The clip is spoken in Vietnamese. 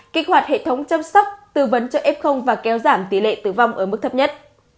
kích hoạt hệ thống chăm sóc tư vấn cho f và kéo giảm tỷ lệ tử vong ở mức thấp nhất